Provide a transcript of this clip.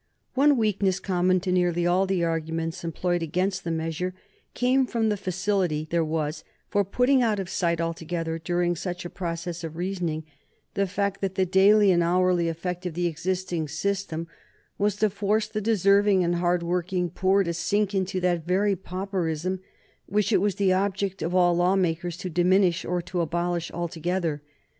One weakness common to nearly all the arguments employed against the measure came from the facility there was for putting out of sight altogether, during such a process of reasoning, the fact that the daily and hourly effect of the existing system was to force the deserving and hard working poor to sink into that very pauperism which it was the object of all law makers to diminish, or to abolish altogether.